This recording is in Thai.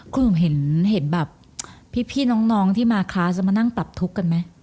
คุณหนุ่มเห็นแบบพี่น้องที่มาคลาสมานั่งปรับทุกข์กันไหม